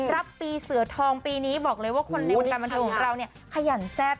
รับปีเสือทองปีนี้บอกเลยว่าคนในกรรมที่เราเนี้ยขยันแซ่บ